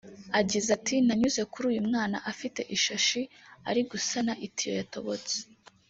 Agize ati" Nanyuze kuri uyu mwana afite ishashi ari gusana itiyo yatobotse